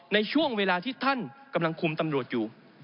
ในช่วงเวลาที่ท่านกำลังคุมตำรวจอยู่